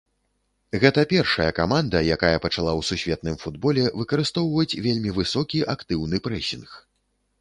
Гэта першая каманда, якая пачала ў сусветным футболе выкарыстоўваць вельмі высокі актыўны прэсінг.